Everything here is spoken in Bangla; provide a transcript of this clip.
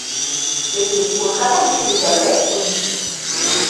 এটি কলকাতা বিশ্ববিদ্যালয়ের অধীনে।